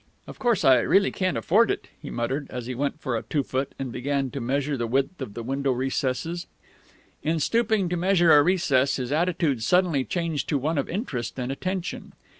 "Of course, I really can't afford it," he muttered, as he went for a two foot and began to measure the width of the window recesses.... In stooping to measure a recess, his attitude suddenly changed to one of interest and attention.